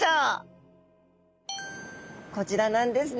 こちらなんですね。